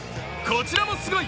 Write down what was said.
こちらもすごい！